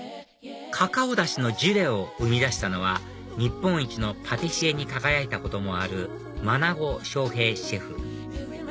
カカオ出汁のジュレを生み出したのは日本一のパティシエに輝いたこともある眞砂翔平シェフ